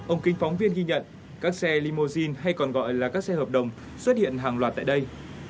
ông kính phóng viên ghi nhận các xe limousine hay còn gọi là các xe hợp đồng xuất hiện hàng loạt tại đây